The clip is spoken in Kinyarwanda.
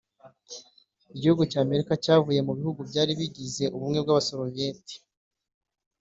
Igihugu cya Armenia cyavuye mu bihugu byari bigize ubumwe bw’abasoviyeti